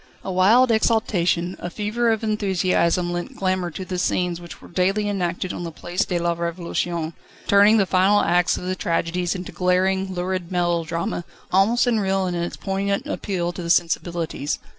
A wild exaltation, a fever of enthusiasm lent glamour to the scenes which were daily enacted on the Place de la Revolution, turning the final acts of the tragedies into glaring, lurid melodrama, almost unreal in its poignant appeal to the sensibilities.